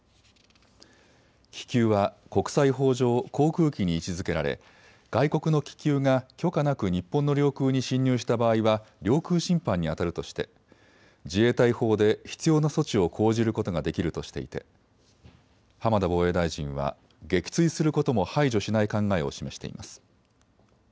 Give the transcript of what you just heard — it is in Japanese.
気球は国際法上、航空機に位置づけられ外国の気球が許可なく日本の領空に侵入した場合は領空侵犯にあたるとして自衛隊法で必要な措置を講じることができるとしていて浜田防衛大臣は撃墜することも排除しない考えを示しています。